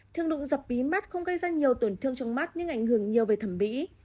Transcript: thương đụng dập mí mắt không gây ra nhiều tổn thương trong mắt nhưng ảnh hưởng nhiều về thẩm mỹ